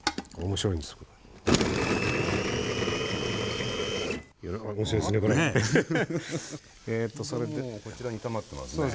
もうこちらに炒まってますね。